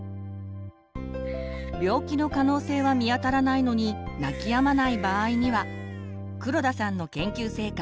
病気の可能性は見当たらないのに泣きやまない場合には黒田さんの研究成果。